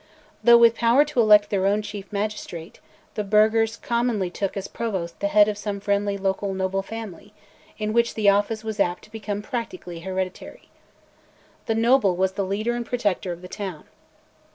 Though with power to elect their own chief magistrate, the burghers commonly took as Provost the head of some friendly local noble family, in which the office was apt to become practically hereditary. The noble was the leader and protector of the town.